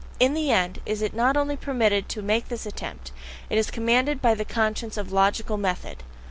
In the end, it is not only permitted to make this attempt, it is commanded by the conscience of LOGICAL METHOD.